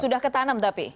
sudah ketanam tapi